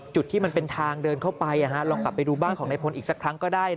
ที่มันเป็นทางเดินเข้าไปลองกลับไปดูบ้านของนายพลอีกสักครั้งก็ได้